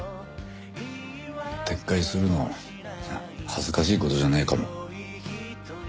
撤回するの恥ずかしい事じゃねえかも。